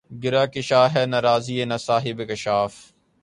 گرہ کشا ہے نہ رازیؔ نہ صاحب کشافؔ